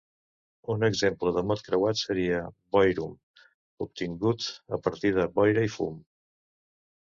Un exemple de mot creuat seria boirum, obtingut a partir de boira i fum.